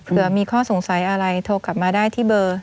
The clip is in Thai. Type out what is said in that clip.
เผื่อมีข้อสงสัยอะไรโทรกลับมาได้ที่เบอร์